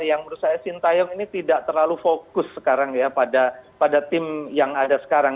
yang menurut saya sintayong ini tidak terlalu fokus sekarang ya pada tim yang ada sekarang